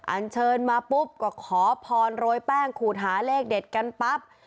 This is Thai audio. อันเชิญมาปุ๊บก็ขอพรโรยแป้งขูดหาเลขเด็ดกันปั๊บ